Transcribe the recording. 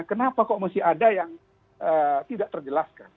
kenapa kok masih ada yang tidak terjelaskan